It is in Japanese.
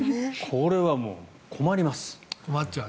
これはもう困ります。